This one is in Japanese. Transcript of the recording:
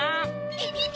ピピピ！